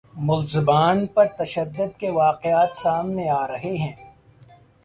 ملزمان پر تشدد کے واقعات سامنے آ رہے ہیں